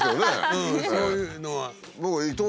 うんそういうのは。